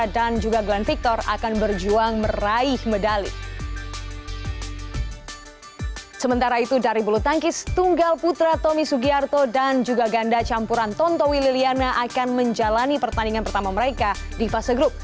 dan juga ganda campuran tontowi liliana akan menjalani pertandingan pertama mereka di fase grup